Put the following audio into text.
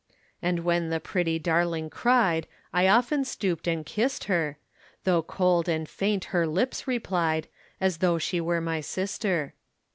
And when the pretty darling cried, I often stooped and kissed her, Though cold and faint her lips replied, As though she were my sister.